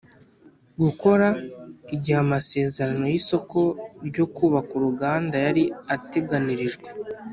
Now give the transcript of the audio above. Gukora igihe amasezerano y isoko ryo kubaka uruganda yari ateganirijwe